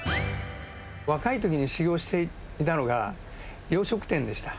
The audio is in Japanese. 若いときに修業していたのが、洋食店でした。